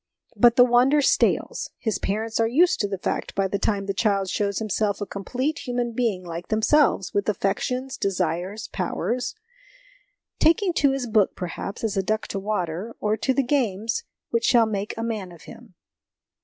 But the wonder stales ; his parents are used to the fact by the time the child shows himself a complete human being like themselves, with affections, desires, powers ; taking to his book, perhaps, as a duck to the water ; or to the games which shall make a man of him.